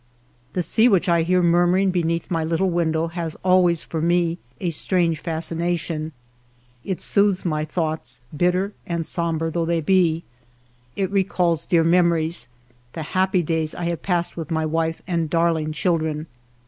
The sea which I hear murmuring beneath my little window has always for me a strange fascina tion. It soothes my thoughts, bitter and sombre though they be. It recalls dear memories, the happy days I have passed with my wife and dar ling children.